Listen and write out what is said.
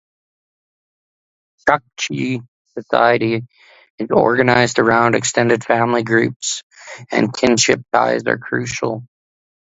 Chukchi society is organized around extended family groups, and kinship ties are crucial.